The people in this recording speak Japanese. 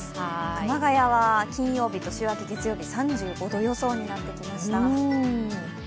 熊谷は金曜日と週明け月曜日３５度予想となりました。